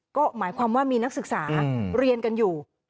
ก็หมายความว่ามีนักศึกษาเรียนกันอยู่